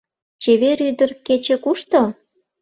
- Чевер ӱдыр, кече кушто?